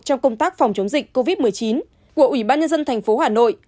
trong công tác phòng chống dịch covid một mươi chín của ủy ban nhân dân tp hà nội